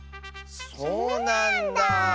そうなんだあ。